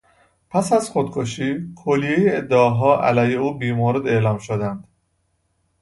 پس از خودکشی، کلیهی ادعاها علیه او بیمورد اعلام شدند.